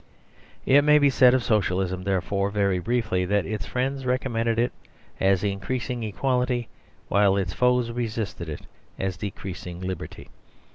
It may be said of Socialism, therefore, very briefly, that its friends recommended it as increasing equality, while its foes resisted it as decreasing liberty.